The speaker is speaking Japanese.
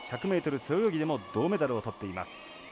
１００ｍ背泳ぎでも銅メダルをとっています。